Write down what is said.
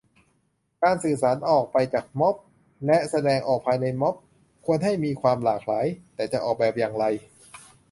การสื่อสารออกไปจากม็อบ และแสดงออกภายในม็อบ ควรให้มีความหลากหลาย แต่จะออกแบบอย่างไร